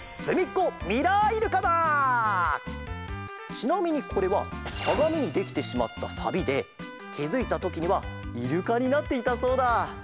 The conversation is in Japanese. ちなみにこれはかがみにできてしまったさびできづいたときにはイルカになっていたそうだ。